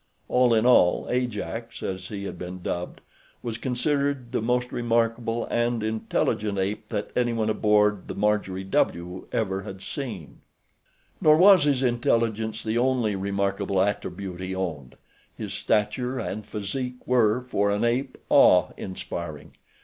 All in all, Ajax, as he had been dubbed, was considered the most remarkable and intelligent ape that any one aboard the Marjorie W. ever had seen. Nor was his intelligence the only remarkable attribute he owned. His stature and physique were, for an ape, awe inspiring.